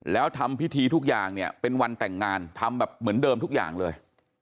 แล้วทำพิธีทุกอย่างเนี่ยเป็นวันแต่งงานทำแบบเหมือนเดิมทุกอย่างเลย